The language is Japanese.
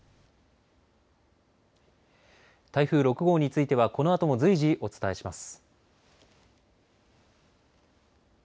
台風６号についてはこのあとも随時、お伝えします。